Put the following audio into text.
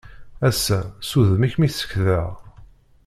Ass-a s udem-ik mi sekdeɣ.